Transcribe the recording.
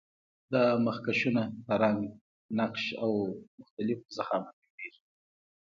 دا مخکشونه په رنګ، نقش او مختلف ضخامت جوړیږي.